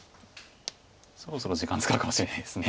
そろそろ時間使うかもしれないです。